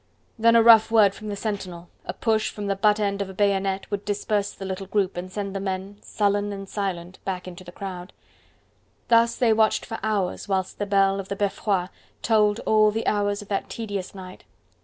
Then a rough word from the sentinel, a push from the butt end of a bayonet would disperse the little group and send the men, sullen and silent, back into the crowd. Thus they watched for hours whilst the bell of the Beffroi tolled all the hours of that tedious night.